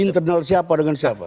internal siapa dengan siapa